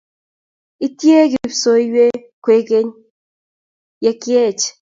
itei kipsoiwe kwekeny ya kiech